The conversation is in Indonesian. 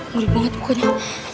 mulut banget pokoknya